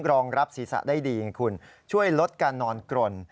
รองรับศีรษะได้ดีไงคุณช่วยลดการนอนกรน